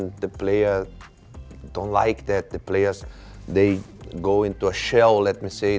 พวกเขาไม่ชอบกดหน้ากลางหรือพวกเขาบอกว่าที่ลุกแป่ง